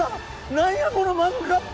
何やこのマグカップ！